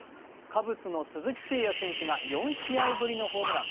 カブスの鈴木誠也選手が４試合ぶりのホームラン。